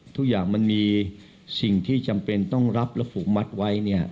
ทุกอย่างมันมีสิ่งที่จำเป็นต้องรับและผูกมัดไว้